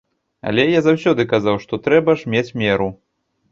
Але я заўсёды казаў, што трэба ж мець меру.